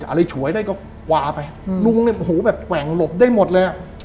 อะไรฉวยได้ก็กวาไปลุงเนี่ยโอ้โหแบบแกว่งหลบได้หมดเลยอ่ะ